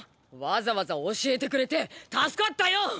わざわざ教えてくれて助かったよ！